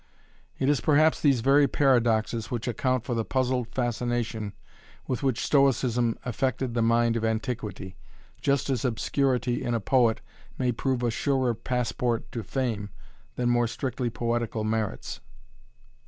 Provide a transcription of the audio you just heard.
It is perhaps these very paradoxes which account for the puzzled fascination with which Stoicism affected the mind of antiquity, just as obscurity in a poet may prove a surer passport to fame than more strictly poetical merits.